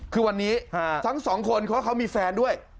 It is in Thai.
คือวันนี้ทั้งสองคนเพราะเขามีแฟนด้วย